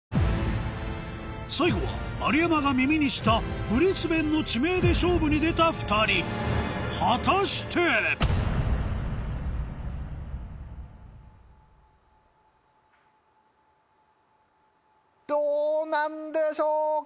最後は丸山が耳にしたブリスベンの地名で勝負に出た２人果たして⁉どうなんでしょうか？